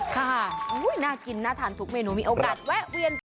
ค่ะน่ากินน่าทานทุกเมนูมีโอกาสแวะเวียนไป